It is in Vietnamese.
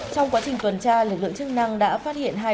trong quá trình tuần tra lực lượng chức năng đã phát hiện hai đối tượng